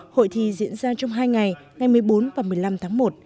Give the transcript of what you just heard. hội thi diễn ra trong hai ngày ngày một mươi bốn và một mươi năm tháng một